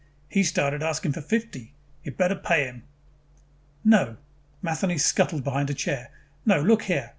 He started asking fifty. You better pay him." "No!" Matheny scuttled behind a chair. "No, look here!